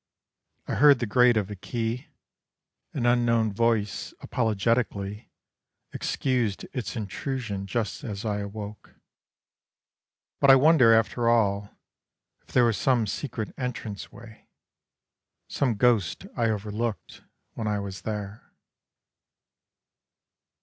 I heard the grate of a key, An unknown voice apologetically Excused its intrusion just as I awoke. But I wonder after all If there was some secret entranceway, Some ghost I overlooked, when I was there.